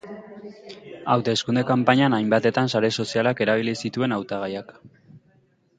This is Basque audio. Hauteskunde kanpainan hainbatetan sare sozialak erabili zituen hautagaiak.